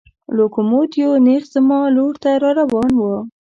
لوکوموتیو نېغ زما لور ته را روان و.